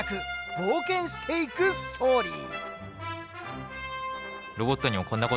冒険していくストーリー。